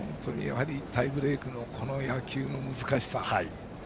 やはりタイブレークの野球の難しさ。